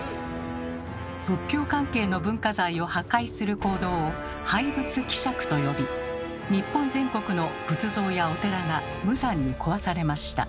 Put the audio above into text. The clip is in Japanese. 仏教関係の文化財を破壊する行動を「廃仏毀釈」と呼び日本全国の仏像やお寺が無残に壊されました。